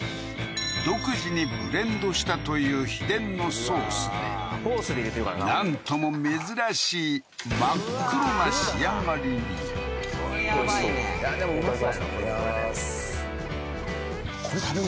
独自にブレンドしたという秘伝のソースでなんとも珍しい真っ黒な仕上がりにおいしそういただきますね